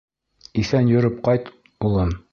— Иҫән йөрөп ҡайт, улым.